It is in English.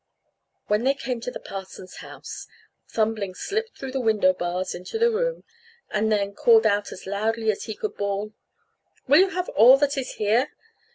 When they came to the parson's house, Thumbling slipped through the window bars into the room, and then called out as loudly as he could bawl, "Will you have all that is here?"